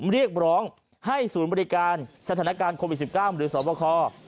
เรียกร้องให้ศูนย์บริการสถานการณ์โควิด๑๙หรือสอบคอ